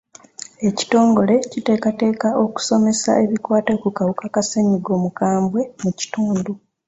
Ekitongole kiteekateeka okusomesa ebikwata ku kawuka ka ssenyiga omukambwe mu kitundu.